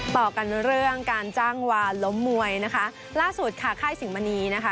ต่อกันเรื่องการจ้างวานล้มมวยนะคะล่าสุดค่ะค่ายสิงหมณีนะคะ